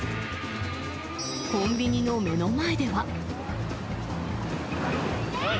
コンビニの目の前では。